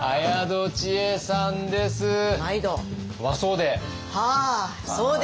和装で。